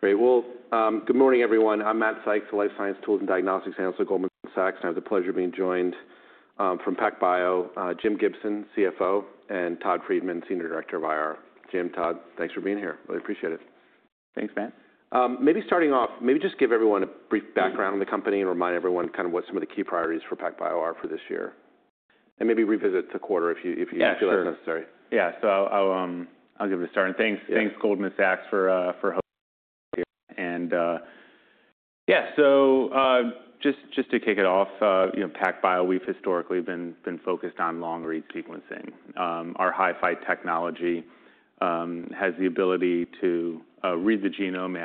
Great. Good morning, everyone. I'm Matt Sykes, the Life Science Tools and Diagnostics Analyst at Goldman Sachs. I have the pleasure of being joined from PacBio, Jim Gibson, CFO, and Todd Friedman, Senior Director of IR. Jim, Todd, thanks for being here. Really appreciate it. Thanks, Matt. Maybe starting off, maybe just give everyone a brief background on the company and remind everyone kind of what some of the key priorities for PacBio are for this year. Maybe revisit the quarter if you feel that's necessary. Yeah. I'll give it a start. Thanks, Goldman Sachs, for hosting us here. Yeah, just to kick it off, PacBio, we've historically been focused on long-read sequencing. Our HiFi technology has the ability to read the genome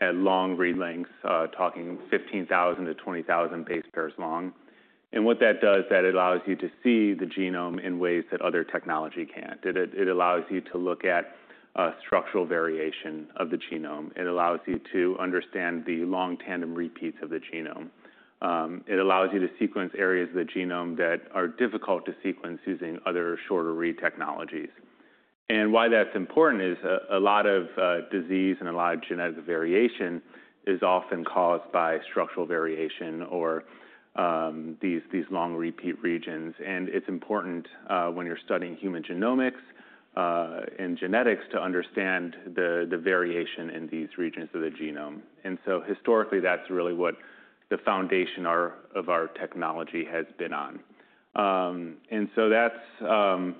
at long-read lengths, talking 15,000-20,000 base pairs long. What that does is that it allows you to see the genome in ways that other technology can't. It allows you to look at structural variation of the genome. It allows you to understand the long tandem repeats of the genome. It allows you to sequence areas of the genome that are difficult to sequence using other shorter-read technologies. Why that's important is a lot of disease and a lot of genetic variation is often caused by structural variation or these long-repeat regions. It is important when you're studying human genomics and genetics to understand the variation in these regions of the genome. Historically, that's really what the foundation of our technology has been on. That's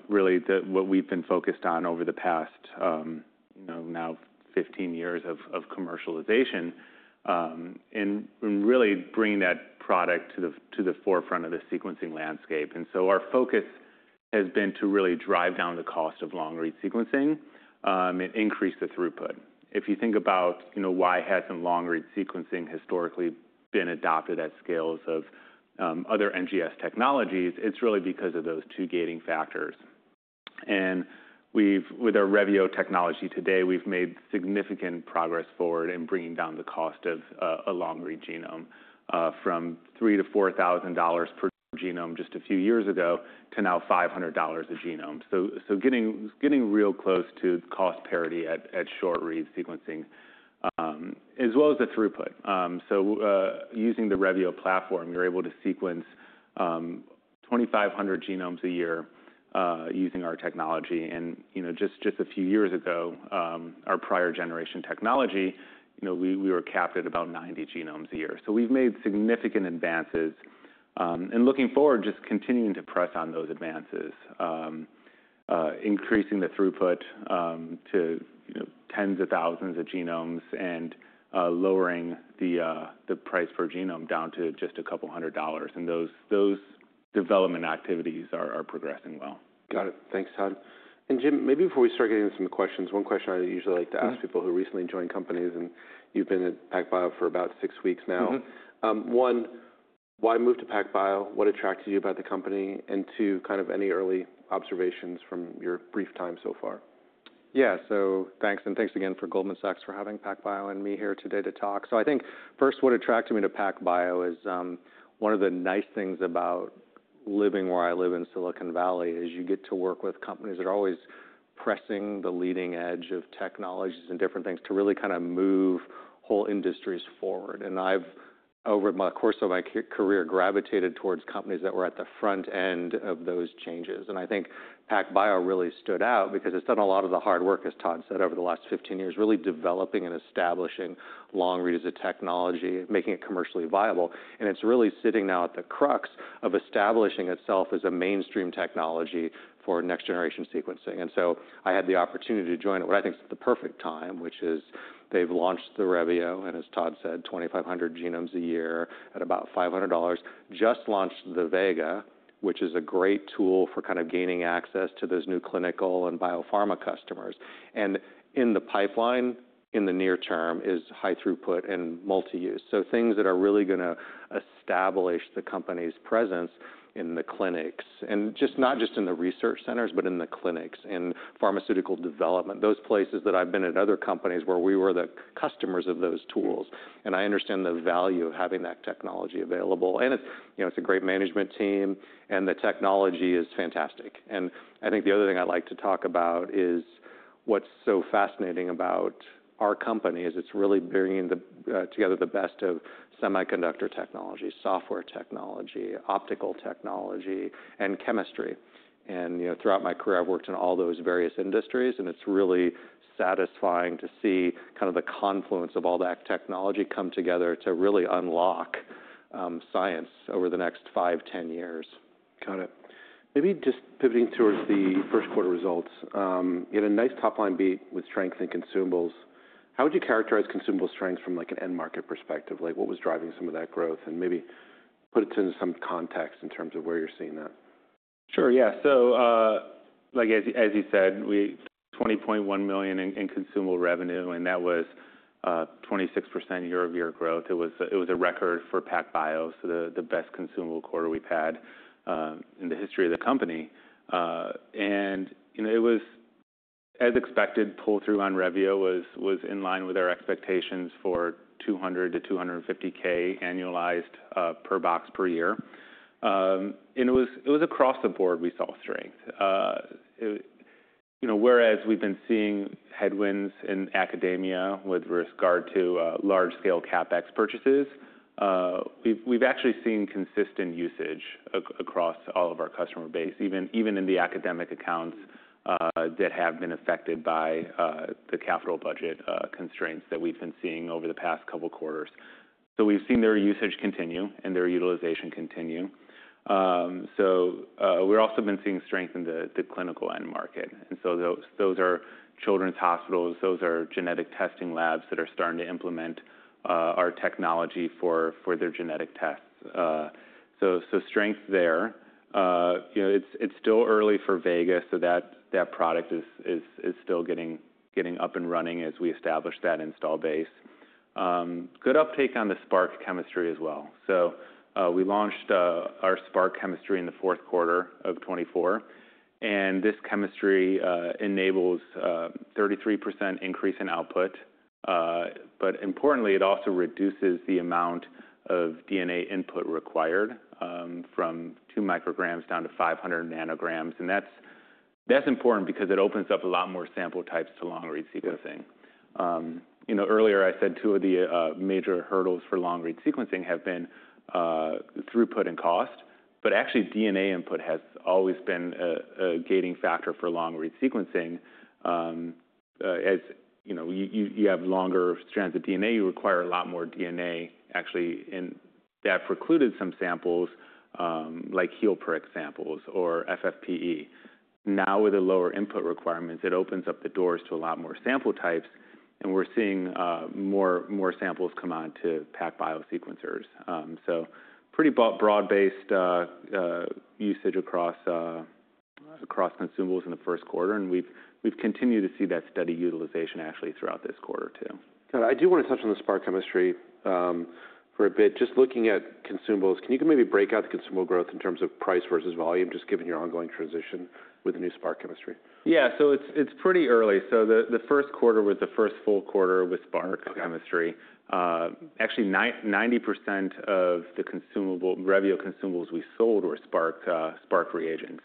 really what we've been focused on over the past now 15 years of commercialization and really bringing that product to the forefront of the sequencing landscape. Our focus has been to really drive down the cost of long-read sequencing and increase the throughput. If you think about why hasn't long-read sequencing historically been adopted at scales of other NGS technologies, it's really because of those two gating factors. With our Revio technology today, we've made significant progress forward in bringing down the cost of a long-read genome, from $3,000-$4,000 per genome just a few years ago to now $500 a genome. Getting real close to cost parity at short-read sequencing, as well as the throughput. Using the Revio platform, you're able to sequence 2,500 genomes a year using our technology. Just a few years ago, our prior-generation technology, we were capped at about 90 genomes a year. We've made significant advances. Looking forward, just continuing to press on those advances, increasing the throughput to tens of thousands of genomes and lowering the price per genome down to just a couple hundred dollars. Those development activities are progressing well. Got it. Thanks, Todd. Jim, maybe before we start getting into some questions, one question I usually like to ask people who recently joined companies, and you've been at PacBio for about six weeks now. One, why move to PacBio? What attracted you about the company? Two, kind of any early observations from your brief time so far? Yeah. Thanks. And thanks again for Goldman Sachs for having PacBio and me here today to talk. I think first, what attracted me to PacBio is one of the nice things about living where I live in Silicon Valley is you get to work with companies that are always pressing the leading edge of technologies and different things to really kind of move whole industries forward. I've, over the course of my career, gravitated towards companies that were at the front end of those changes. I think PacBio really stood out because it's done a lot of the hard work, as Todd said, over the last 15 years, really developing and establishing long-read as a technology, making it commercially viable. It's really sitting now at the crux of establishing itself as a mainstream technology for next-generation sequencing. I had the opportunity to join at what I think is the perfect time, which is they've launched the Revio. As Todd said, 2,500 genomes a year at about $500. Just launched the Vega, which is a great tool for kind of gaining access to those new clinical and biopharma customers. In the pipeline, in the near term, is high throughput and multi-use. Things that are really going to establish the company's presence in the clinics, and not just in the research centers, but in the clinics, in pharmaceutical development, those places that I've been at other companies where we were the customers of those tools. I understand the value of having that technology available. It is a great management team, and the technology is fantastic. I think the other thing I'd like to talk about is what's so fascinating about our company is it's really bringing together the best of semiconductor technology, software technology, optical technology, and chemistry. Throughout my career, I've worked in all those various industries, and it's really satisfying to see kind of the confluence of all that technology come together to really unlock science over the next 5-10 years. Got it. Maybe just pivoting towards the first quarter results, you had a nice top-line beat with strengths in consumables. How would you characterize consumable strengths from an end market perspective? What was driving some of that growth? Maybe put it into some context in terms of where you're seeing that. Sure. Yeah. As you said, we had $20.1 million in consumable revenue, and that was 26% year-over-year growth. It was a record for PacBio, so the best consumable quarter we've had in the history of the company. It was, as expected, pull-through on Revio was in line with our expectations for $200,000-$250,000 annualized per box per year. It was across the board we saw strength. Whereas we've been seeing headwinds in academia with regard to large-scale CapEx purchases, we've actually seen consistent usage across all of our customer base, even in the academic accounts that have been affected by the capital budget constraints that we've been seeing over the past couple quarters. We've seen their usage continue and their utilization continue. We've also been seeing strength in the clinical end market. Those are children's hospitals. Those are genetic testing labs that are starting to implement our technology for their genetic tests. Strength there. It is still early for Vega, so that product is still getting up and running as we establish that install base. Good uptake on the Spark chemistry as well. We launched our Spark chemistry in the fourth quarter of 2024. This chemistry enables a 33% increase in output. Importantly, it also reduces the amount of DNA input required from 2 micrograms down to 500 nanograms. That is important because it opens up a lot more sample types to long-read sequencing. Earlier, I said two of the major hurdles for long-read sequencing have been throughput and cost. Actually, DNA input has always been a gating factor for long-read sequencing. As you have longer strands of DNA, you require a lot more DNA, actually. That precluded some samples, like HelpX samples or FFPE. Now, with the lower input requirements, it opens up the doors to a lot more sample types. We're seeing more samples come on to PacBio sequencers. Pretty broad-based usage across consumables in the first quarter. We've continued to see that steady utilization, actually, throughout this quarter, too. Got it. I do want to touch on the Spark Chemistry for a bit. Just looking at consumables, can you maybe break out the consumable growth in terms of price versus volume, just given your ongoing transition with the new Spark Chemistry? Yeah. So it's pretty early. The first quarter was the first full quarter with Spark Chemistry. Actually, 90% of the Revio consumables we sold were Spark reagents.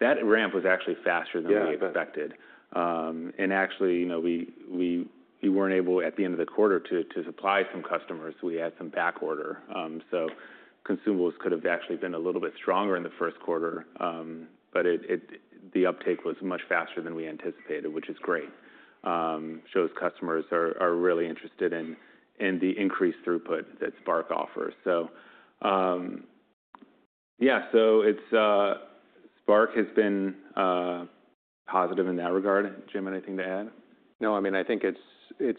That ramp was actually faster than we expected. Actually, we were not able, at the end of the quarter, to supply some customers. We had some backorder. Consumables could have actually been a little bit stronger in the first quarter. The uptake was much faster than we anticipated, which is great. Shows customers are really interested in the increased throughput that Spark offers. Yeah, Spark has been positive in that regard. Jim, anything to add? No. I mean, I think it's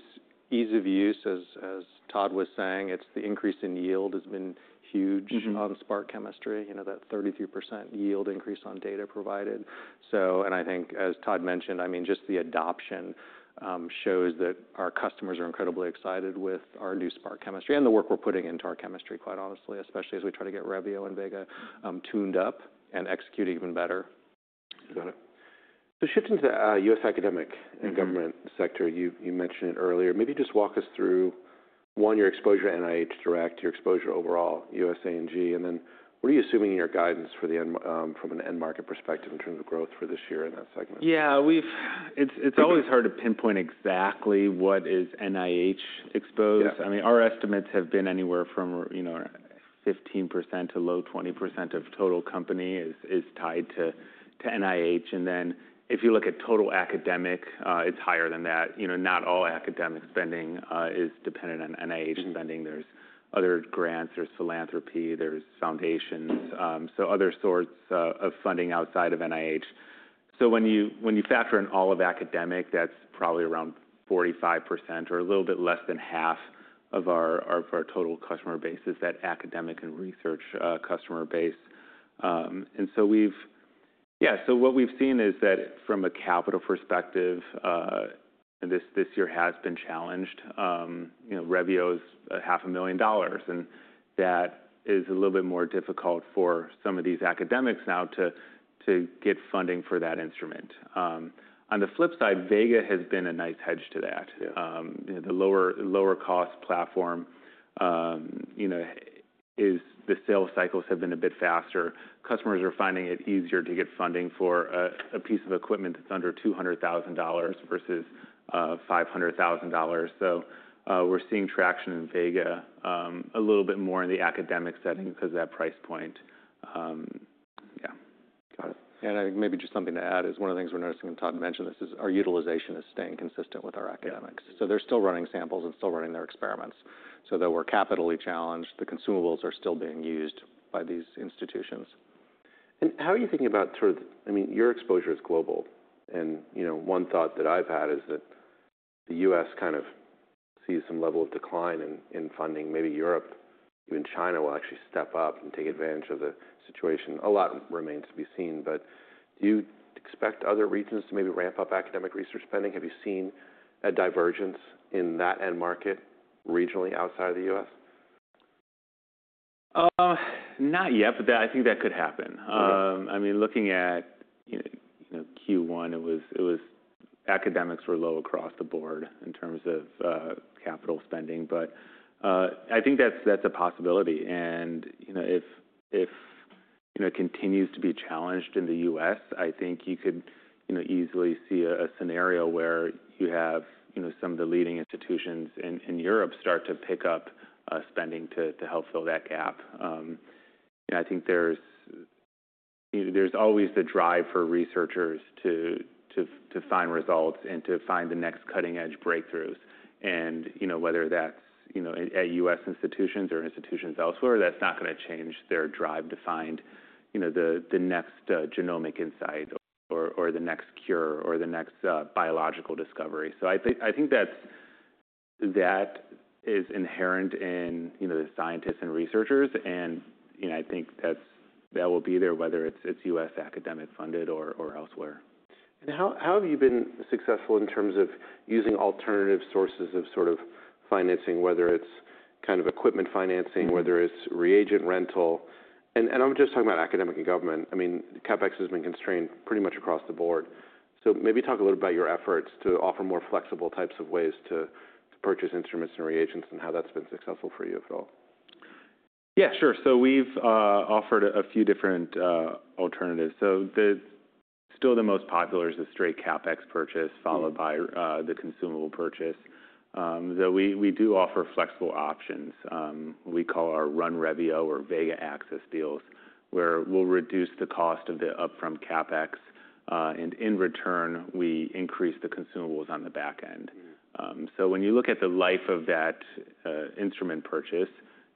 ease of use, as Todd was saying. The increase in yield has been huge on Spark Chemistry, that 33% yield increase on data provided. I think, as Todd mentioned, I mean, just the adoption shows that our customers are incredibly excited with our new Spark Chemistry and the work we're putting into our chemistry, quite honestly, especially as we try to get Revio and Vega tuned up and executed even better. Got it. So shifting to the U.S. academic and government sector, you mentioned it earlier. Maybe just walk us through, one, your exposure to NIH direct, your exposure overall, USA&G, and then what are you assuming in your guidance from an end market perspective in terms of growth for this year in that segment? Yeah. It's always hard to pinpoint exactly what is NIH exposed. I mean, our estimates have been anywhere from 15% to low 20% of total company is tied to NIH. If you look at total academic, it's higher than that. Not all academic spending is dependent on NIH spending. There's other grants. There's philanthropy. There's foundations. Other sorts of funding outside of NIH. When you factor in all of academic, that's probably around 45% or a little bit less than half of our total customer base, is that academic and research customer base. Yeah, what we've seen is that from a capital perspective, this year has been challenged. Revio is $500,000. That is a little bit more difficult for some of these academics now to get funding for that instrument. On the flip side, Vega has been a nice hedge to that. The lower-cost platform, the sales cycles have been a bit faster. Customers are finding it easier to get funding for a piece of equipment that's under $200,000 versus $500,000. We're seeing traction in Vega a little bit more in the academic setting because of that price point. Yeah. Got it. I think maybe just something to add is one of the things we're noticing, and Todd mentioned this, is our utilization is staying consistent with our academics. They're still running samples and still running their experiments. Though we're capitally challenged, the consumables are still being used by these institutions. How are you thinking about sort of, I mean, your exposure is global. One thought that I've had is that the U.S. kind of sees some level of decline in funding. Maybe Europe, even China will actually step up and take advantage of the situation. A lot remains to be seen. Do you expect other regions to maybe ramp up academic research spending? Have you seen a divergence in that end market regionally outside of the U.S.? Not yet, but I think that could happen. I mean, looking at Q1, academics were low across the board in terms of capital spending. I think that's a possibility. If it continues to be challenged in the U.S., I think you could easily see a scenario where you have some of the leading institutions in Europe start to pick up spending to help fill that gap. I think there's always the drive for researchers to find results and to find the next cutting-edge breakthroughs. Whether that's at U.S. institutions or institutions elsewhere, that's not going to change their drive to find the next genomic insight or the next cure or the next biological discovery. I think that is inherent in the scientists and researchers. I think that will be there, whether it's U.S. academic funded or elsewhere. How have you been successful in terms of using alternative sources of sort of financing, whether it's kind of equipment financing, whether it's reagent rental? I'm just talking about academic and government. I mean, CapEx has been constrained pretty much across the board. Maybe talk a little bit about your efforts to offer more flexible types of ways to purchase instruments and reagents and how that's been successful for you, if at all. Yeah, sure. We've offered a few different alternatives. Still the most popular is the straight CapEx purchase, followed by the consumable purchase. We do offer flexible options. We call our Run Revio or Vega Access deals, where we'll reduce the cost of the upfront CapEx. In return, we increase the consumables on the back end. When you look at the life of that instrument purchase,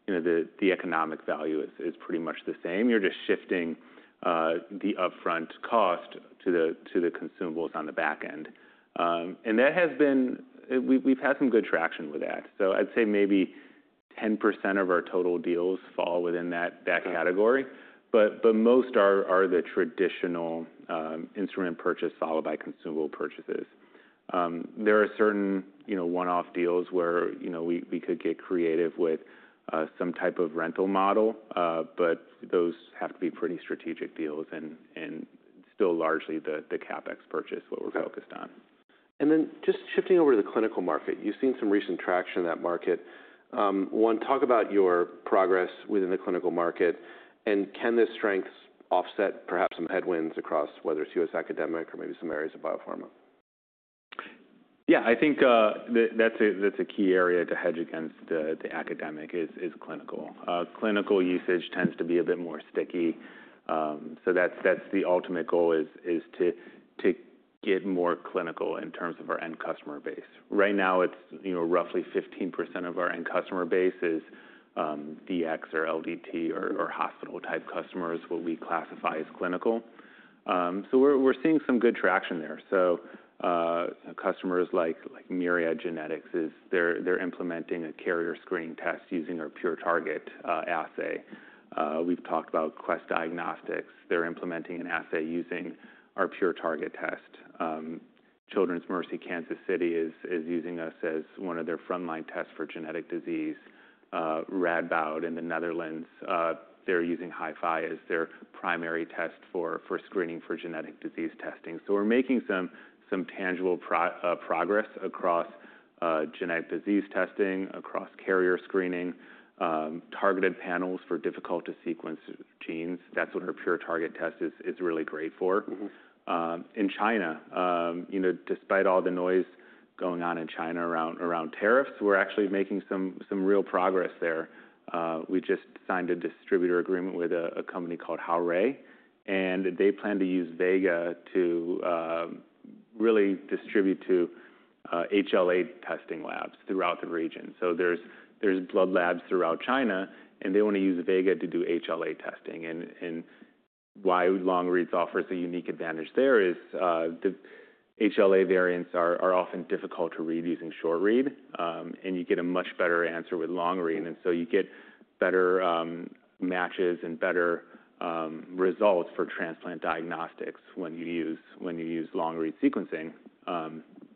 the economic value is pretty much the same. You're just shifting the upfront cost to the consumables on the back end. We've had some good traction with that. I'd say maybe 10% of our total deals fall within that category. Most are the traditional instrument purchase followed by consumable purchases. There are certain one-off deals where we could get creative with some type of rental model. Those have to be pretty strategic deals. Still largely the CapEx purchase is what we're focused on. Just shifting over to the clinical market, you've seen some recent traction in that market. One, talk about your progress within the clinical market. Can this strength offset perhaps some headwinds across whether it's US academic or maybe some areas of biopharma? Yeah. I think that's a key area to hedge against the academic is clinical. Clinical usage tends to be a bit more sticky. That's the ultimate goal, to get more clinical in terms of our end customer base. Right now, it's roughly 15% of our end customer base is DX or LDT or hospital-type customers, what we classify as clinical. We're seeing some good traction there. Customers like Myriad Genetics, they're implementing a carrier screen test using our PureTarget assay. We've talked about Quest Diagnostics. They're implementing an assay using our PureTarget test. Children's Mercy Kansas City is using us as one of their frontline tests for genetic disease. Radboud in the Netherlands, they're using HiFi as their primary test for screening for genetic disease testing. We're making some tangible progress across genetic disease testing, across carrier screening, targeted panels for difficult-to-sequence genes. That's what our PureTarget test is really great for. In China, despite all the noise going on in China around tariffs, we're actually making some real progress there. We just signed a distributor agreement with a company called HaoRei. They plan to use Vega to really distribute to HLA testing labs throughout the region. There are blood labs throughout China. They want to use Vega to do HLA testing. Why long-reads offers a unique advantage there is HLA variants are often difficult to read using short-read. You get a much better answer with long-read. You get better matches and better results for transplant diagnostics when you use long-read sequencing.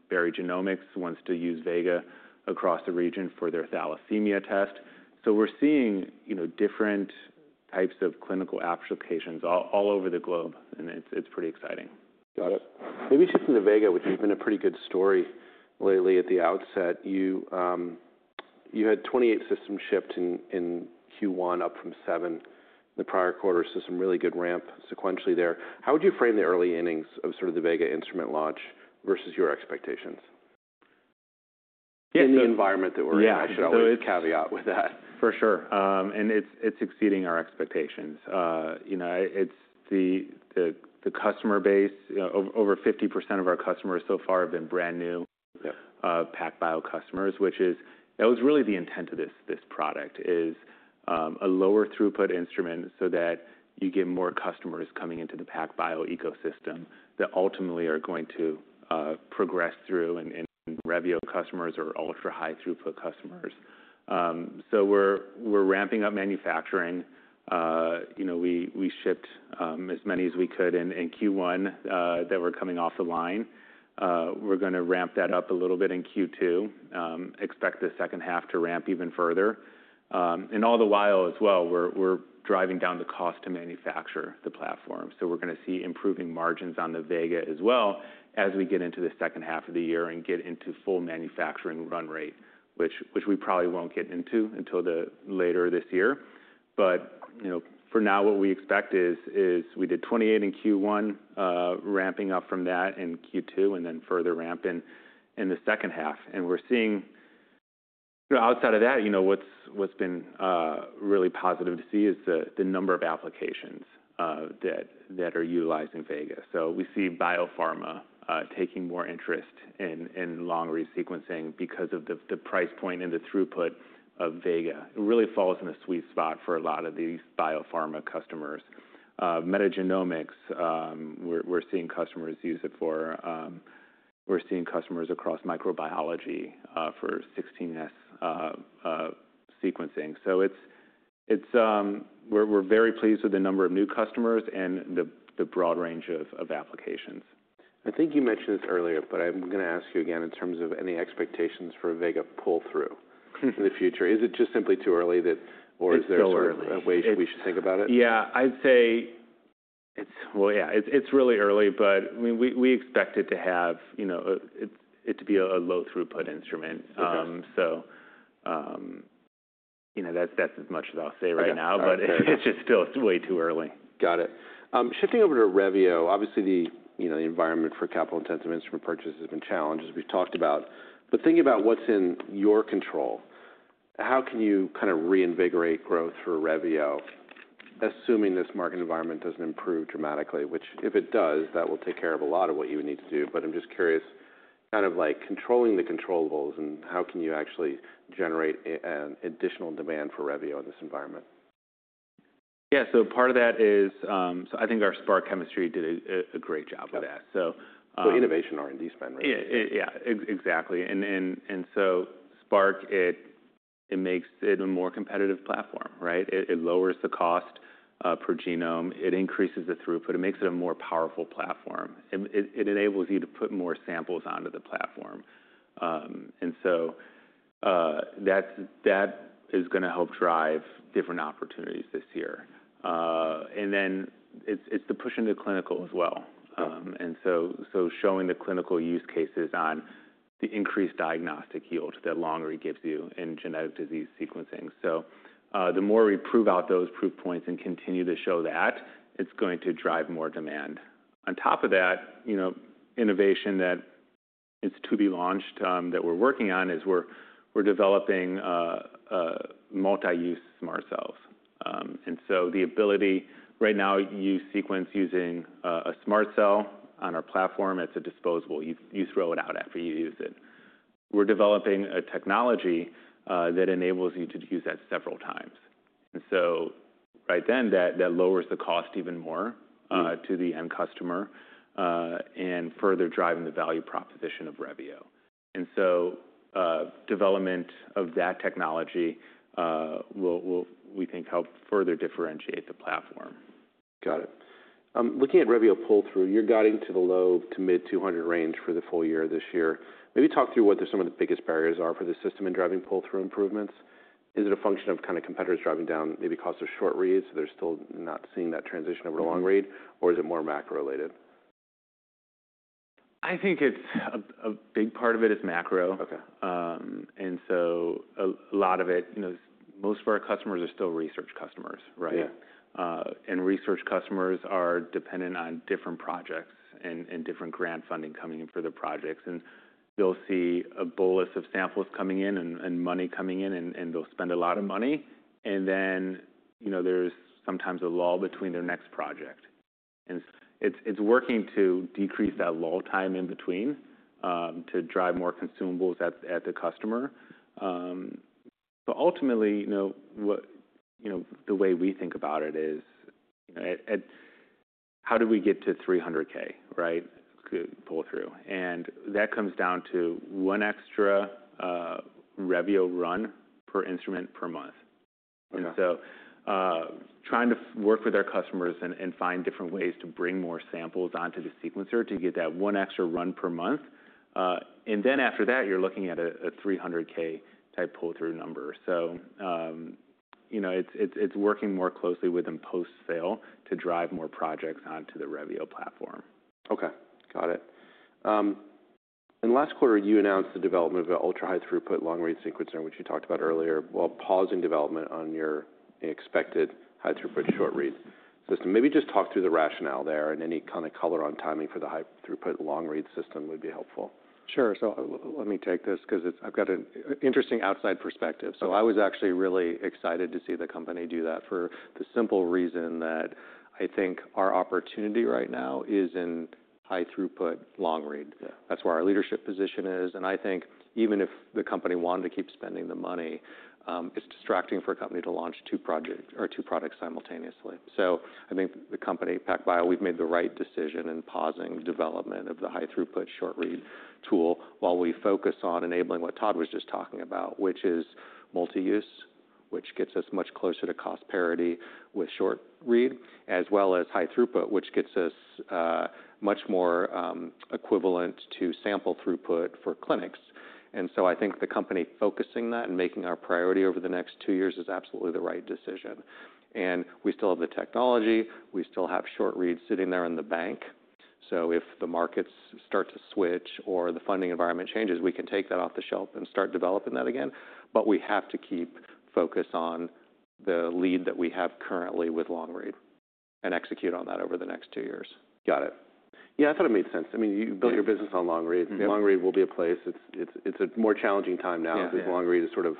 Berry Genomics wants to use Vega across the region for their thalassemia test. We are seeing different types of clinical applications all over the globe. It's pretty exciting. Got it. Maybe shifting to Vega, which has been a pretty good story lately at the outset. You had 28 systems shipped in Q1, up from 7 in the prior quarter. So some really good ramp sequentially there. How would you frame the early innings of sort of the Vega instrument launch versus your expectations in the environment that we're in? I should always caveat with that. For sure. And it's exceeding our expectations. It's the customer base. Over 50% of our customers so far have been brand new PacBio customers, which is that was really the intent of this product, is a lower throughput instrument so that you get more customers coming into the PacBio ecosystem that ultimately are going to progress through and Revio customers or ultra-high throughput customers. We are ramping up manufacturing. We shipped as many as we could in Q1 that were coming off the line. We are going to ramp that up a little bit in Q2. Expect the second half to ramp even further. All the while, as well, we are driving down the cost to manufacture the platform. We're going to see improving margins on the Vega as well as we get into the second half of the year and get into full manufacturing run rate, which we probably won't get into until later this year. For now, what we expect is we did 28 in Q1, ramping up from that in Q2, and then further ramp in the second half. We're seeing outside of that, what's been really positive to see is the number of applications that are utilizing Vega. We see biopharma taking more interest in long-read sequencing because of the price point and the throughput of Vega. It really falls in a sweet spot for a lot of these biopharma customers. Metagenomics, we're seeing customers use it for. We're seeing customers across microbiology for 16S sequencing. We're very pleased with the number of new customers and the broad range of applications. I think you mentioned this earlier, but I'm going to ask you again in terms of any expectations for Vega pull-through in the future. Is it just simply too early, or is there a way we should think about it? Yeah. I'd say, yeah, it's really early. We expect it to be a low-throughput instrument. That's as much as I'll say right now. It's just still way too early. Got it. Shifting over to Revio, obviously the environment for capital-intensive instrument purchase has been challenged, as we've talked about. Thinking about what's in your control, how can you kind of reinvigorate growth for Revio, assuming this market environment doesn't improve dramatically, which if it does, that will take care of a lot of what you would need to do. I'm just curious, kind of like controlling the control roles, and how can you actually generate additional demand for Revio in this environment? Yeah. Part of that is, I think our Spark Chemistry did a great job with that. Innovation R&D spend, right? Yeah, exactly. Spark makes it a more competitive platform, right? It lowers the cost per genome. It increases the throughput. It makes it a more powerful platform. It enables you to put more samples onto the platform. That is going to help drive different opportunities this year. It is the push into clinical as well. Showing the clinical use cases on the increased diagnostic yield that long-read gives you in genetic disease sequencing. The more we prove out those proof points and continue to show that, it is going to drive more demand. On top of that, innovation that is to be launched that we are working on is we are developing multi-use smart cells. The ability, right now, you sequence using a smart cell on our platform. It is a disposable. You throw it out after you use it. We're developing a technology that enables you to use that several times. Right then, that lowers the cost even more to the end customer and further driving the value proposition of Revio. Development of that technology, we think, helps further differentiate the platform. Got it. Looking at Revio pull-through, you're guiding to the low to mid-200 range for the full year this year. Maybe talk through what some of the biggest barriers are for the system in driving pull-through improvements. Is it a function of kind of competitors driving down maybe cost of short-reads? They're still not seeing that transition over to long-read, or is it more macro-related? I think a big part of it is macro. A lot of it, most of our customers are still research customers, right? Research customers are dependent on different projects and different grant funding coming in for their projects. They'll see a bolus of samples coming in and money coming in, and they'll spend a lot of money. Then there's sometimes a lull between their next project. It's working to decrease that lull time in between to drive more consumables at the customer. Ultimately, the way we think about it is, how do we get to $300,000, right, pull-through? That comes down to one extra Revio run per instrument per month. Trying to work with our customers and find different ways to bring more samples onto the sequencer to get that one extra run per month. After that, you're looking at a 300K-type pull-through number. It's working more closely with them post-sale to drive more projects onto the Revio platform. Okay. Got it. In the last quarter, you announced the development of an ultra-high throughput long-read sequencer, which you talked about earlier, while pausing development on your expected high-throughput short-read system. Maybe just talk through the rationale there, and any kind of color on timing for the high-throughput long-read system would be helpful. Sure. Let me take this because I've got an interesting outside perspective. I was actually really excited to see the company do that for the simple reason that I think our opportunity right now is in high-throughput long-read. That's where our leadership position is. I think even if the company wanted to keep spending the money, it's distracting for a company to launch two projects or two products simultaneously. I think the company, PacBio, we've made the right decision in pausing development of the high-throughput short-read tool while we focus on enabling what Todd was just talking about, which is multi-use, which gets us much closer to cost parity with short-read, as well as high-throughput, which gets us much more equivalent to sample throughput for clinics. I think the company focusing that and making our priority over the next two years is absolutely the right decision. We still have the technology. We still have short-reads sitting there in the bank. If the markets start to switch or the funding environment changes, we can take that off the shelf and start developing that again. We have to keep focus on the lead that we have currently with long-read and execute on that over the next two years. Got it. Yeah, I thought it made sense. I mean, you built your business on long-read. Long-read will be a place. It's a more challenging time now because long-read is sort of,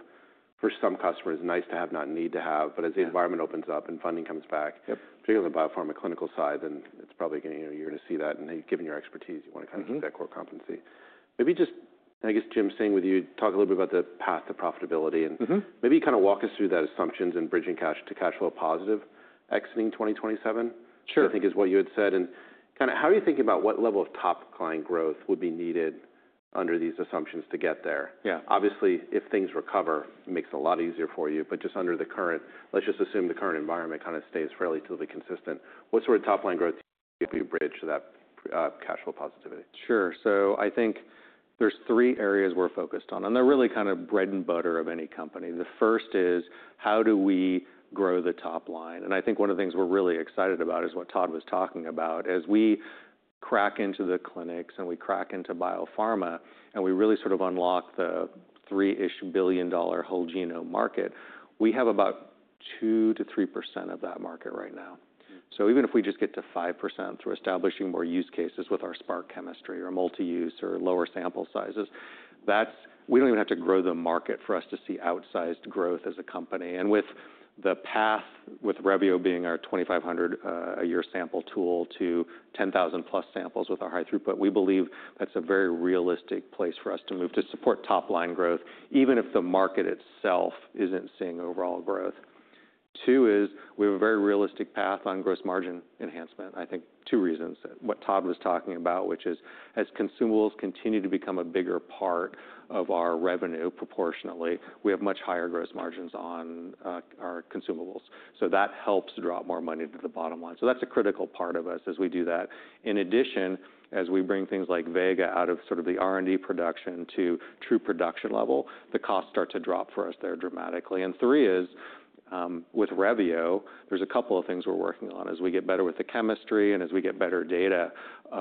for some customers, nice to have, not need to have. As the environment opens up and funding comes back, particularly on the biopharma clinical side, it's probably going to you're going to see that. Given your expertise, you want to kind of keep that core competency. Maybe just, I guess, Jim, staying with you, talk a little bit about the path to profitability and maybe kind of walk us through that assumptions and bridging cash to cash flow positive exiting 2027, I think, is what you had said. How are you thinking about what level of top-line growth would be needed under these assumptions to get there? Obviously, if things recover, it makes it a lot easier for you. Just under the current, let's just assume the current environment kind of stays fairly consistent, what sort of top-line growth do you think we bridge to that cash flow positivity? Sure. I think there are three areas we are focused on. They are really kind of bread and butter of any company. The first is, how do we grow the top line? I think one of the things we are really excited about is what Todd was talking about. As we crack into the clinics and we crack into biopharma and we really sort of unlock the $3 billion-ish whole genome market, we have about 2%-3% of that market right now. Even if we just get to 5% through establishing more use cases with our Spark Chemistry or multi-use or lower sample sizes, we do not even have to grow the market for us to see outsized growth as a company. With the path, with Revio being our 2,500-a-year sample tool to 10,000-plus samples with our high-throughput, we believe that's a very realistic place for us to move to support top-line growth, even if the market itself isn't seeing overall growth. Two is, we have a very realistic path on gross margin enhancement. I think two reasons. What Todd was talking about, which is, as consumables continue to become a bigger part of our revenue proportionately, we have much higher gross margins on our consumables. That helps draw more money to the bottom line. That's a critical part of us as we do that. In addition, as we bring things like Vega out of sort of the R&D production to true production level, the costs start to drop for us there dramatically. Three is, with Revio, there's a couple of things we're working on. As we get better with the chemistry and as we get better data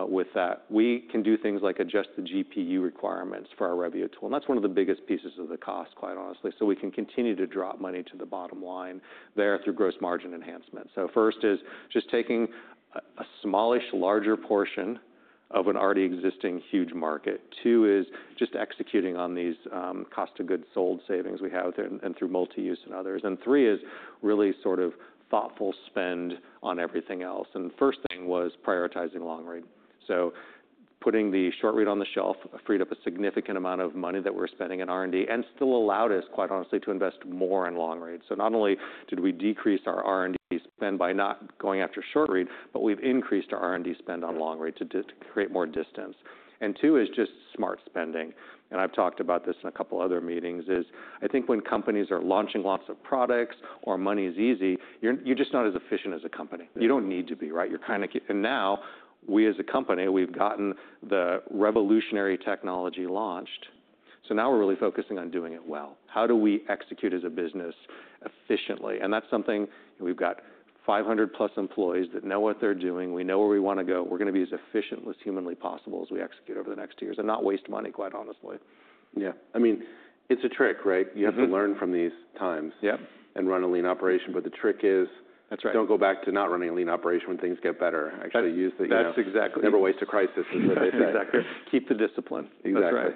with that, we can do things like adjust the GPU requirements for our Revio tool. That is one of the biggest pieces of the cost, quite honestly. We can continue to drop money to the bottom line there through gross margin enhancement. First is just taking a smallish, larger portion of an already existing huge market. Two is just executing on these cost-to-goods sold savings we have and through multi-use and others. Three is really sort of thoughtful spend on everything else. The first thing was prioritizing long-read. Putting the short-read on the shelf freed up a significant amount of money that we are spending in R&D and still allowed us, quite honestly, to invest more in long-read. Not only did we decrease our R&D spend by not going after short-read, but we've increased our R&D spend on long-read to create more distance. Two is just smart spending. I've talked about this in a couple of other meetings. I think when companies are launching lots of products or money is easy, you're just not as efficient as a company. You don't need to be, right? Now, we as a company, we've gotten the revolutionary technology launched. Now we're really focusing on doing it well. How do we execute as a business efficiently? That's something we've got 500-plus employees that know what they're doing. We know where we want to go. We're going to be as efficient as humanly possible as we execute over the next years and not waste money, quite honestly. Yeah. I mean, it's a trick, right? You have to learn from these times and run a lean operation. The trick is, don't go back to not running a lean operation when things get better. Actually use the. That's exactly. Never waste a crisis, as they say. Exactly. Keep the discipline. Exactly.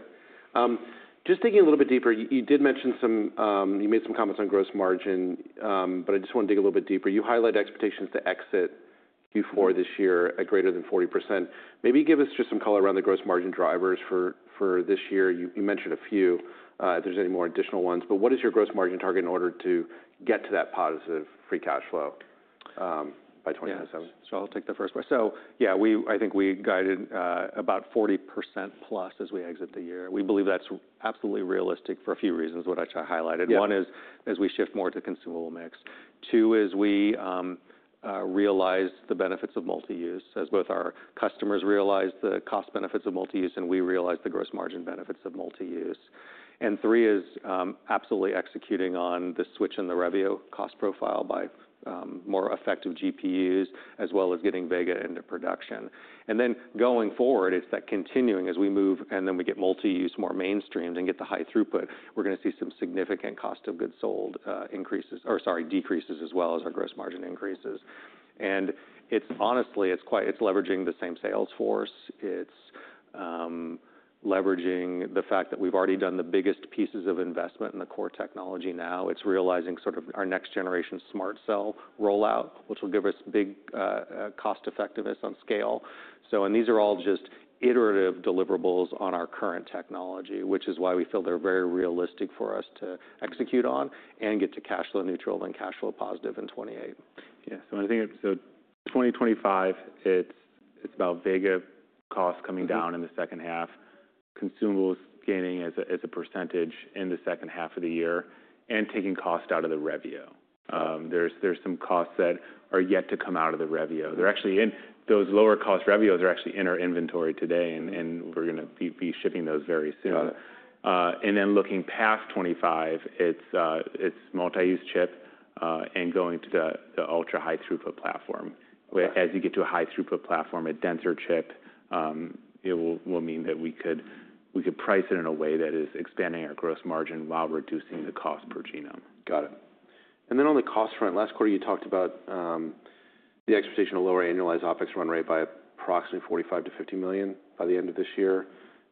Just digging a little bit deeper, you did mention some, you made some comments on gross margin, but I just want to dig a little bit deeper. You highlight expectations to exit Q4 this year at greater than 40%. Maybe give us just some color around the gross margin drivers for this year. You mentioned a few. If there's any more additional ones, but what is your gross margin target in order to get to that positive free cash flow by 2027? Yeah. I'll take the first question. Yeah, I think we guided about 40%+ as we exit the year. We believe that's absolutely realistic for a few reasons, which I highlighted. One is, as we shift more to consumable mix. Two is, we realize the benefits of multi-use. As both our customers realize the cost benefits of multi-use, and we realize the gross margin benefits of multi-use. Three is absolutely executing on the switch in the Revio cost profile by more effective GPUs, as well as getting Vega into production. Going forward, it's that continuing as we move, and then we get multi-use more mainstreamed and get the high throughput, we're going to see some significant cost-to-goods sold decreases as well as our gross margin increases. Honestly, it's leveraging the same sales force. It's leveraging the fact that we've already done the biggest pieces of investment in the core technology now. It's realizing sort of our next-generation SMRT Cell rollout, which will give us big cost effectiveness on scale. These are all just iterative deliverables on our current technology, which is why we feel they're very realistic for us to execute on and get to cash flow neutral and cash flow positive in 2028. Yeah. I think 2025, it's about Vega costs coming down in the second half, consumables gaining as a percentage in the second half of the year, and taking cost out of the Revio. There are some costs that are yet to come out of the Revio. Those lower-cost Revios are actually in our inventory today, and we're going to be shipping those very soon. Looking past 2025, it's multi-use chip and going to the ultra-high throughput platform. As you get to a high-throughput platform, a denser chip will mean that we could price it in a way that is expanding our gross margin while reducing the cost per genome. Got it. On the cost front, last quarter, you talked about the expectation of lower annualized OpEx run rate by approximately $45-$50 million by the end of this year.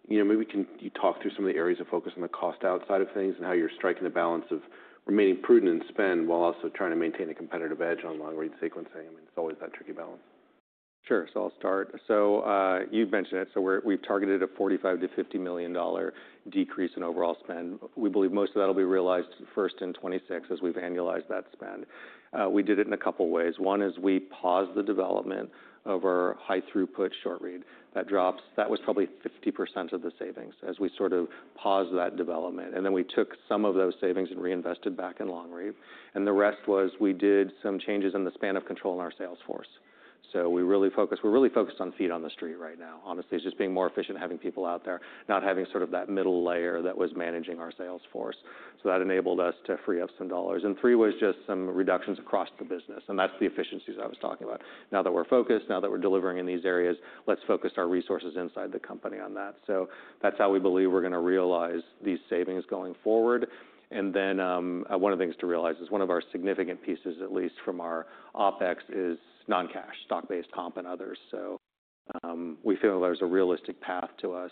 Maybe can you talk through some of the areas of focus on the cost outside of things and how you're striking the balance of remaining prudent in spend while also trying to maintain a competitive edge on long-read sequencing? I mean, it's always that tricky balance. Sure. I'll start. You've mentioned it. We've targeted a $45-$50 million decrease in overall spend. We believe most of that will be realized first in 2026 as we've annualized that spend. We did it in a couple of ways. One is we paused the development of our high-throughput short-read. That was probably 50% of the savings as we sort of paused that development. We took some of those savings and reinvested back in long-read. The rest was we did some changes in the span of control in our sales force. We're really focused on feet on the street right now, honestly, just being more efficient, having people out there, not having that middle layer that was managing our sales force. That enabled us to free up some dollars. Three was just some reductions across the business. That is the efficiencies I was talking about. Now that we are focused, now that we are delivering in these areas, let us focus our resources inside the company on that. That is how we believe we are going to realize these savings going forward. One of the things to realize is one of our significant pieces, at least from our OpEx, is non-cash, stock-based comp and others. We feel there is a realistic path to us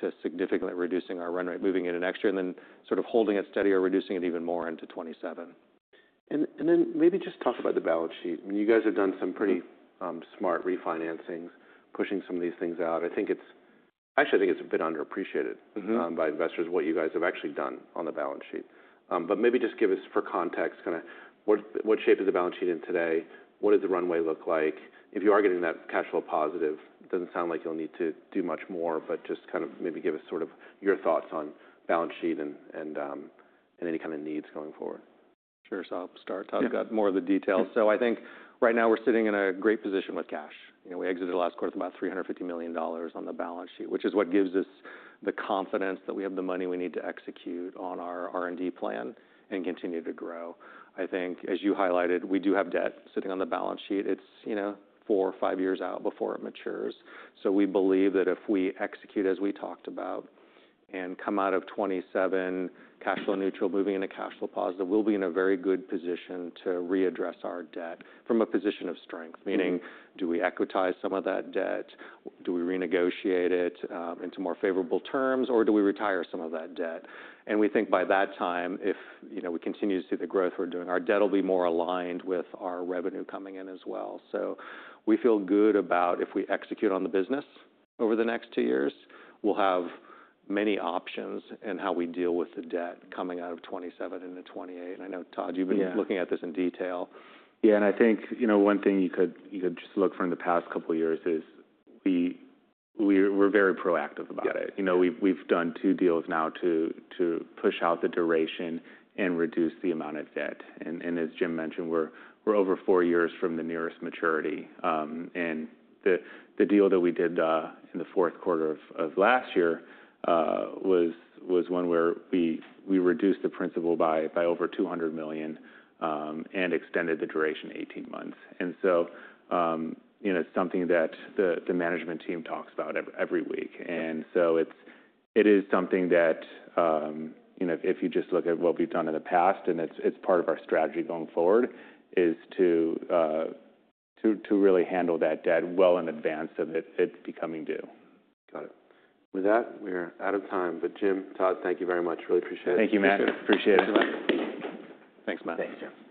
to significantly reducing our run rate, moving it an extra, and then sort of holding it steady or reducing it even more into 2027. Maybe just talk about the balance sheet. I mean, you guys have done some pretty smart refinancing, pushing some of these things out. I actually think it's a bit underappreciated by investors what you guys have actually done on the balance sheet. Maybe just give us, for context, kind of what shape is the balance sheet in today? What does the runway look like? If you are getting that cash flow positive, it doesn't sound like you'll need to do much more, but just kind of maybe give us sort of your thoughts on balance sheet and any kind of needs going forward. Sure. I'll start. Todd's got more of the details. I think right now we're sitting in a great position with cash. We exited last quarter with about $350 million on the balance sheet, which is what gives us the confidence that we have the money we need to execute on our R&D plan and continue to grow. I think, as you highlighted, we do have debt sitting on the balance sheet. It's four or five years out before it matures. We believe that if we execute as we talked about and come out of 2027 cash flow neutral, moving into cash flow positive, we'll be in a very good position to readdress our debt from a position of strength, meaning do we equitize some of that debt? Do we renegotiate it into more favorable terms? Or do we retire some of that debt? We think by that time, if we continue to see the growth we're doing, our debt will be more aligned with our revenue coming in as well. We feel good about if we execute on the business over the next two years, we'll have many options in how we deal with the debt coming out of 2027 into 2028. I know, Todd, you've been looking at this in detail. Yeah. I think one thing you could just look from the past couple of years is we're very proactive about it. We've done two deals now to push out the duration and reduce the amount of debt. As Jim mentioned, we're over four years from the nearest maturity. The deal that we did in the fourth quarter of last year was one where we reduced the principal by over $200 million and extended the duration 18 months. It is something that the management team talks about every week. It is something that, if you just look at what we've done in the past, and it's part of our strategy going forward, is to really handle that debt well in advance of it becoming due. Got it. With that, we're out of time. Jim, Todd, thank you very much. Really appreciate it. Thank you, Matt. Appreciate it. Thanks, Matt. Thanks, Matt.